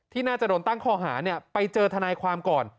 น่าจะโดนตั้งข้อหาไปเจอทนายความก่อน